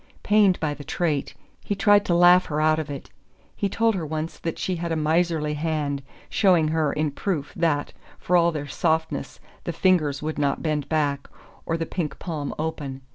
Pained by the trait, he tried to laugh her out of it. He told her once that she had a miserly hand showing her, in proof, that, for all their softness, the fingers would not bend back, or the pink palm open.